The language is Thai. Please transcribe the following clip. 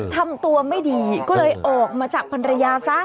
ทำตัวไม่ดีก็เลยออกมาจากพันรยาซะ